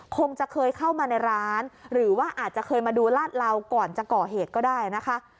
คงจะเคยเข้ามาในร้านหรือว่าอาจจะเคยมาดูลาดเหลาก่อนจะก่อเหตุก็ได้นะคะ